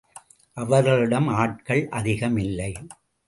அவர்களிடம் ஆட்கள் அதிகமில்லை.